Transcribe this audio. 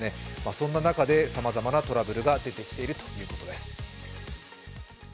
そんな中でさまざまなトラブルが出てきているということです。